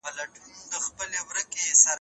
تاسو به د علم په رڼا کي روان ياست.